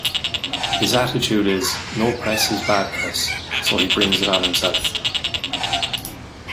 His attitude is 'no press is bad press', so he brings it on himself.